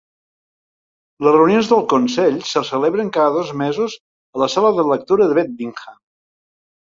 Les reunions del Consell se celebren cada dos mesos a la Sala de Lectura de Beddingham.